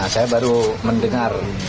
saya baru mendengar